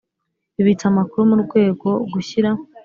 Bibitse amakuru mu rwego gushyira